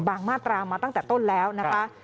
มาตรามาตั้งแต่ต้นแล้วนะคะ